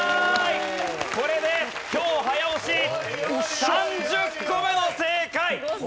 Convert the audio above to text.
これで今日早押し３０個目の正解！